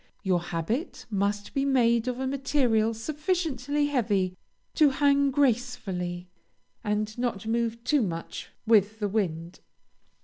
Your habit must be made of a material sufficiently heavy to hang gracefully, and not move too much with the wind.